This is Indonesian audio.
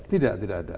tidak tidak ada